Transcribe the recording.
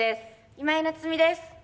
今井菜津美です。